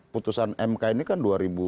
putusan mk ini kan dua ribu sepuluh